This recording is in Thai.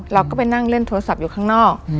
เราก็ไปนั่งเล่นโทรศัพท์อยู่ข้างนอก